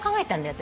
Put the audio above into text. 私。